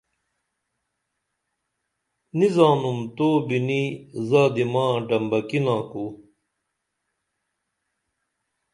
نی زانُم تو بِنی زادی ما ڈمبکِنا کُو